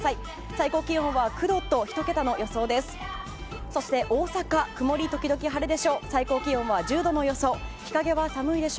最高気温は９度と１桁の予想です。